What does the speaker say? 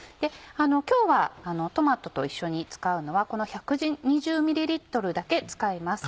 今日はトマトと一緒に使うのはこの１２０ｍだけ使います。